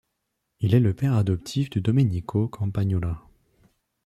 Il est le père adoptif de Domenico Campagnola.